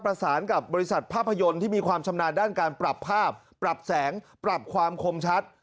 ประสานกับบริษัทภาพยนตร์ที่มีความชำนาญด้านการปรับภาพปรับแสงปรับความคมชัด